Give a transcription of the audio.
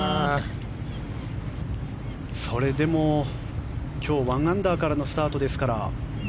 それでも今日１アンダーからのスタートですから。